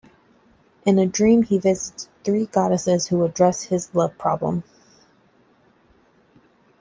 In a dream, he visits three goddesses, who address his love-problem.